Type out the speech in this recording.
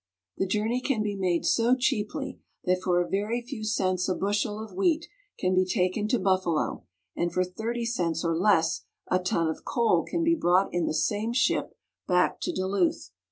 The journey can be made so cheaply that for a very few cents a bushel of wheat can be taken to Buffalo, and for thirty cents or less a ton of coal can be brought in the same ship back to Duluth.